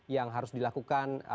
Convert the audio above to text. yang harus dilakukan